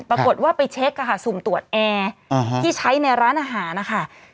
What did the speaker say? ปรากฏว่าไปเช็คสุ่มตรวจแอร์ที่ใช้ในร้านอาหารนะคะ